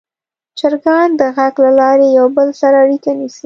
چرګان د غږ له لارې یو بل سره اړیکه نیسي.